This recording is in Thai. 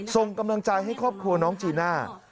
ส่งกำลังใจให้ครอบครัวน้องจีน่า